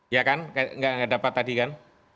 ya kan kayak gak dapat tadi kan